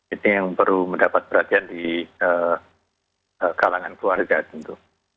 itu yang perlu mendapat perhatian di kalangan keluarga tentu